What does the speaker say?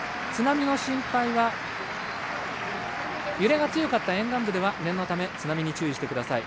揺れが強かった沿岸部では念のため津波に注意してください。